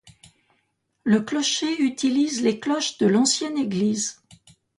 Le clocher utilise les cloches de l'ancienne église.